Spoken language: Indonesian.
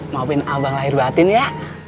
mauin abang lahir batin ya